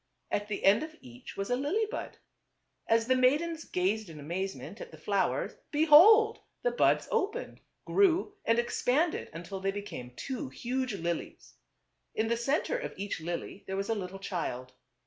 At the end of each was a lily bud. As the maidens gazed in amazement at the flowers, behold ! the buds opened, grew and expanded until they be came two huge lilies. In the center of each lily there was a little child.